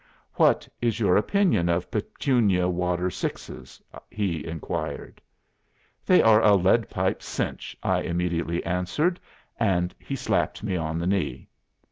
"'What is your opinion of Petunia Water sixes?' he inquired." "'They are a lead pipe cinch,' I immediately answered; and he slapped me on the knee."